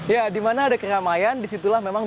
ya di mana ada keramaian di situlah memang